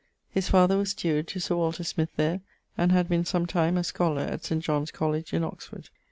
His father was steward to Sir Walter Smyth there, and had been sometime a scholar at St. John's College in Oxford.